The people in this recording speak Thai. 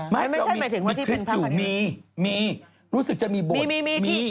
มีคริสต์อยู่มีมี